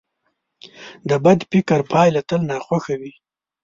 د بد فکر پایله تل ناخوښه وي.